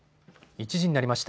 １時になりました。